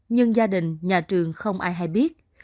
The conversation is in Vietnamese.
nhưng gia đình nhà trường không ai hay biết